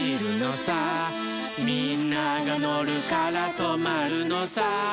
「みんながのるからとまるのさ」